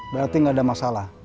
berarti nggak ada masalah